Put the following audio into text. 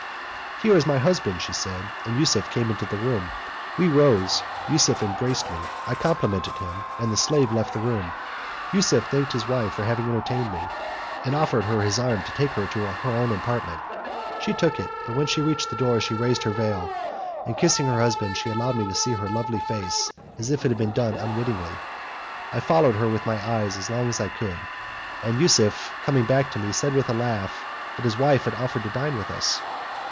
"Here is my husband," she said, and Yusuf came into the room. We rose, Yusuf embraced me, I complimented him, the slave left the room. Yusuf thanked his wife for having entertained me, and offered her his arm to take her to her own apartment. She took it, but when she reached the door, she raised her veil, and kissing her husband she allowed me to see her lovely face as if it had been done unwittingly. I followed her with my eyes as long as I could, and Yusuf, coming back to me, said with a laugh that his wife had offered to dine with us.